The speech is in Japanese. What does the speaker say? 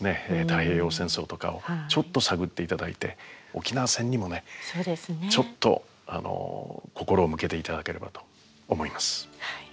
「太平洋戦争」とかをちょっと探って頂いて沖縄戦にもねちょっと心を向けて頂ければと思います。